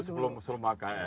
itu dulu bu sebelum akm